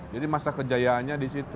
jadi masa kejayaannya di situ